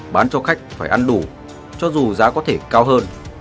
bán cho khách phải ăn đủ cho dù giá có thể cao hơn